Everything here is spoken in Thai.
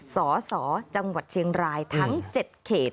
สสจังหวัดเชียงรายทั้ง๗เขต